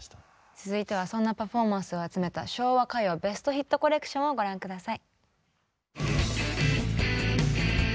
続いてはそんなパフォーマンスを集めた「昭和歌謡ベストヒットコレクション」をご覧下さい。